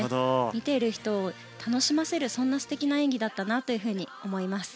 見ている人を楽しませるそんな素敵な演技だったなと思います。